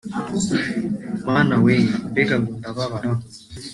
Mana We Mbega Ngo Ndababara